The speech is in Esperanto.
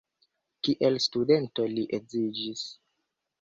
Kiel studento li edziĝis.